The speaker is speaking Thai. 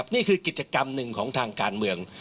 นี่คือกิจกรรมหนึ่งของทางการเมือง